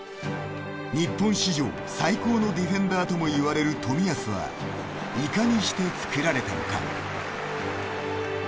日本史上最高のディフェンダーともいわれる冨安はいかにして作られたのか。